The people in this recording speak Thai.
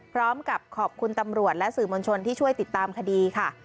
พร้อมกับขอบคุณตำรวจและสื่อมวลชนที่ช่วยติดตามคดีค่ะ